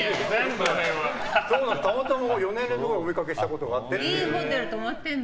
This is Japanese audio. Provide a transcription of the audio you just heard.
たまたま４年連続でお見かけしたことがあって。